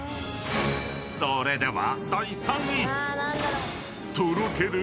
［それでは］